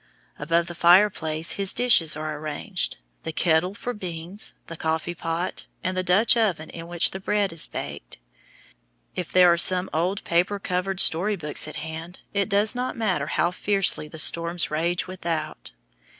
About the fireplace his dishes are arranged the kettle for beans, the coffee pot, and the Dutch oven in which the bread is baked. If there are some old paper covered story books at hand, it does not matter how fiercely the storms rage without.